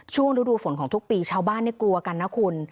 ฤดูฝนของทุกปีชาวบ้านกลัวกันนะคุณ